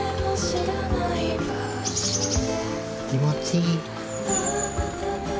気持ちいい。